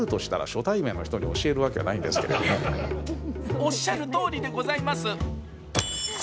おっしゃるとおりでございます。